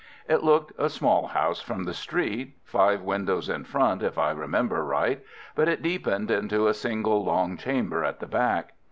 It looked a small house from the street, five windows in front, if I remember right, but it deepened into a single long chamber at the back.